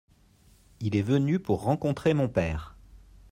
Il est venu pour rencontrer mon père.